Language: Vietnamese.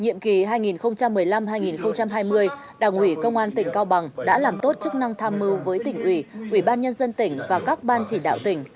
nhiệm kỳ hai nghìn một mươi năm hai nghìn hai mươi đảng ủy công an tỉnh cao bằng đã làm tốt chức năng tham mưu với tỉnh ủy ubnd tỉnh và các ban chỉ đạo tỉnh